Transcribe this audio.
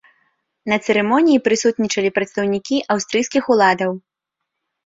На цырымоніі прысутнічалі прадстаўнікі аўстрыйскіх уладаў.